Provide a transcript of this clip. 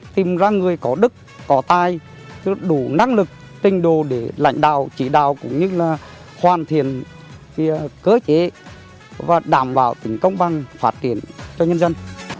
tìm ra người có đức có tài chưa đủ năng lực trình đồ để lãnh đạo chỉ đạo cũng như là hoàn thiện cơ chế và đảm bảo tính công bằng phát triển cho nhân dân